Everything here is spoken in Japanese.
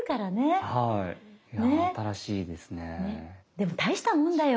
でも大したもんだよ。